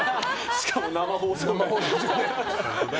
しかも生放送で。